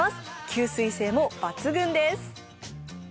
吸水性も抜群です。